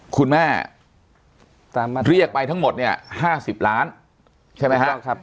คุณแม่เรียกไปทั้งหมดเนี่ย๕๐ล้านใช่ไหมครับ